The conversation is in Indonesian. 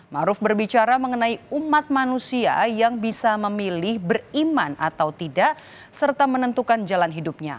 maruf berbicara mengenai umat manusia yang bisa memilih beriman atau tidak serta menentukan jalan hidupnya